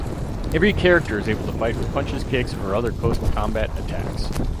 Every character is able to fight with punches, kicks, or other close combat attacks.